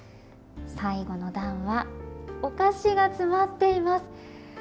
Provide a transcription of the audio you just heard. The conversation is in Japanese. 最後の段はお菓子が詰まっています。